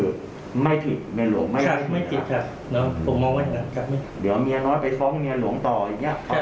เดี๋ยวเมียน้อยไปฟ้องเมียหลวงต่ออีกเนี่ย